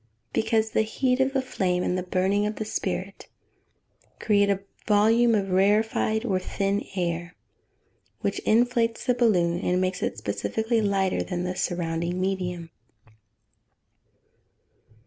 _ Because the heat of the flame, and the burning of the spirit, A, create a volume of rarefied, or thin air, which inflates the balloon, and makes it specifically lighter than the surrounding medium.